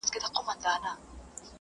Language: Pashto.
د توازن اساسي شرط منځ ته راغلی دی.